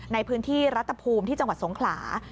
ในพื้นที่รัฐภูมิที่จังหวัดสงขลา